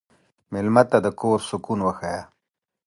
مېلمه ته د کور سکون وښیه.